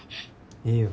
いいよ。